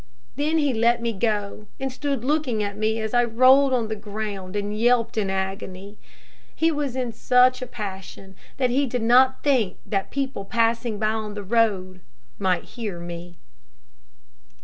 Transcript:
Then he let me go and stood looking at me as I rolled on the ground and yelped in agony. He was in such a passion that he did not think that people passing by on the road might hear me.